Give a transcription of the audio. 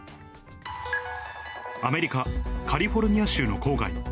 アメリカ・カリフォルニア州の郊外。